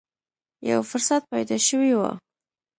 یو فرصت پیدا شوې و